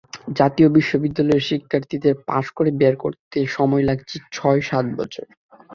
জাতীয় বিশ্ববিদ্যালয়ের শিক্ষার্থীদের পাস করে বের হতে সময় লাগছে ছয় সাত বছর।